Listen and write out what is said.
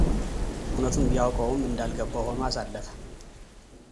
እውነቱን ቢያውቀውም እንዳልገባው ሆኖ አሳለፈ፡፡